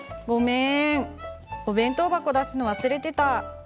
ごめんお弁当箱出すの忘れてた。